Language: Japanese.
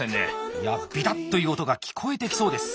いやビタッという音が聞こえてきそうです。